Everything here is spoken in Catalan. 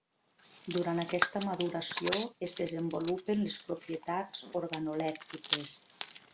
Durant aquesta maduració es desenvolupen les propietats organolèptiques.